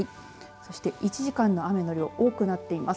そして１時間の雨の量多くなっています。